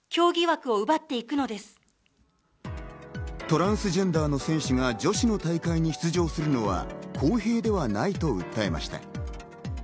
トランスジェンダーの選手が女子の大会に出場するのは公平ではないと訴えました。